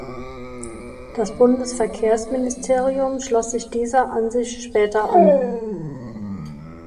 Das Bundesverkehrsministerium schloss sich dieser Ansicht später an.